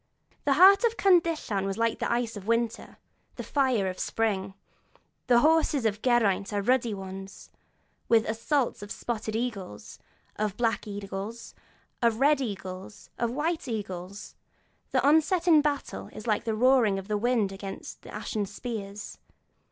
The heart of Cyndyllan was like the ice of winter, like the fire of spring; the horses of Geraint are ruddy ones, with the assault of spotted eagles, of black eagles, of red eagles, of white eagles; an onset in battle is like the roaring of the wind against the ashen spears.